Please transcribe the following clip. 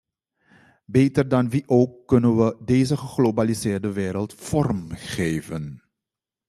Beter dan wie ook, kunnen wij deze geglobaliseerde wereld vorm geven.